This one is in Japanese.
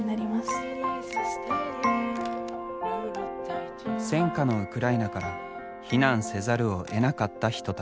戦火のウクライナから避難せざるをえなかった人たち。